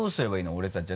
俺たちは。